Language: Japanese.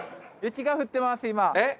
雪が降ってます、今。